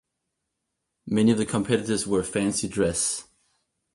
Many of the competitors wear fancy dress.